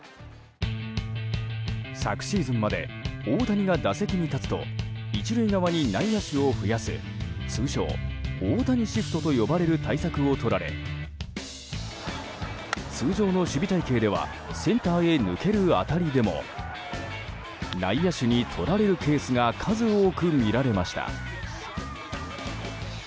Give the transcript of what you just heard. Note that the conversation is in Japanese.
昨シーズンまで大谷が打席に立つと１塁側に内野手を増やす通称・大谷シフトと呼ばれる対策をとられ通常の守備体系ではセンターへ抜ける当たりでも内野手にとられるケースが数多く見られました。